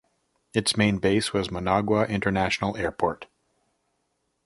Its main base was Managua International Airport.